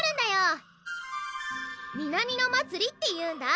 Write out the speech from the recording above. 南乃祭りっていうんだ